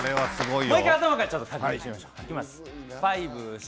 もう一度、頭から確認していきましょう。